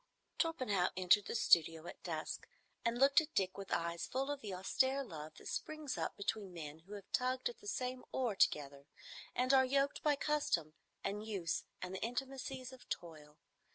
Torpenhow entered the studio at dusk, and looked at Dick with eyes full of the austere love that springs up between men who have tugged at the same oar together and are yoked by custom and use and the intimacies of toil.